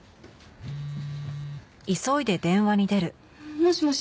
もしもし？